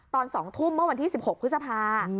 ตอน๒ทุ่มเมื่อวันที่๑๖พฤษภา